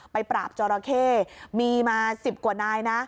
ปราบจอราเข้มีมา๑๐กว่านายนะ